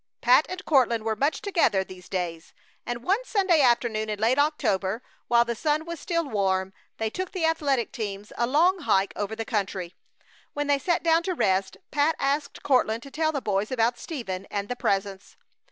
Pat and Courtland were much together these days, and one Sunday afternoon in late October, while the sun was still warm, they took the athletic teams a long hike over the country. When they sat down to rest Pat asked Courtland to tell the boys about Stephen, and the Presence.